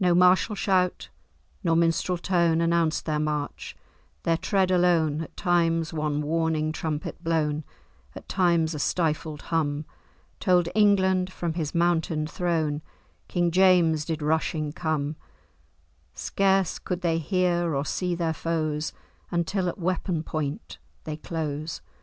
"No martial shout, nor minstrel tone, Announced their march; their tread alone, At times one warning trumpet blown, At times a stifled hum, Told England, from his mountain throne, King James did rushing come: Scarce could they hear or see their foes Until at weapon point they close."